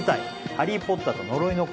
「ハリー・ポッターと呪いの子」